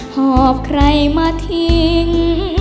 หอบใครมาทิ้ง